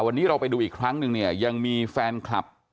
วันนี้เราไปดูอีกครั้งนึงเนี่ยยังมีแฟนคลับ